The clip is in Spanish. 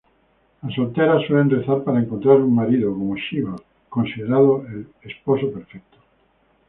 Las solteras suelen rezar para encontrar un marido como Shiva, considerado el perfecto esposo.